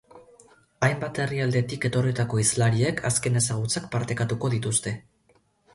Hainbat herrialdetik etorritako hizlariek azken ezagutzak partekatuko dituzte.